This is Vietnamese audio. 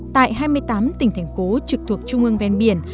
tại hai mươi tám tỉnh thành phố trực thuộc trung ương ven biển